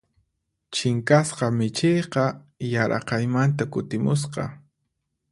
Chinkasqa michiyqa yaraqaymanta kutimusqa.